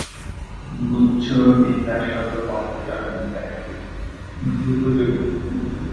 গুচ্ছ-বিন্যাসতত্ত্ব computer বিজ্ঞানের জন্য অত্যন্ত উপযোগী।